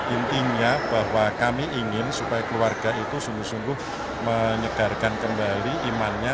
intinya bahwa kami ingin supaya keluarga itu sungguh sungguh menyegarkan kembali imannya